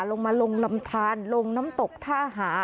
ลงมาลงลำทานลงน้ำตกท่าหา